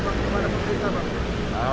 bagaimana pemerintah bang